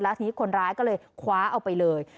ทีนี้คนร้ายก็เลยคว้าเอาไปเลย